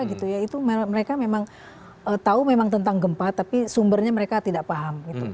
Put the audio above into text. itu mereka memang tahu memang tentang gempa tapi sumbernya mereka tidak paham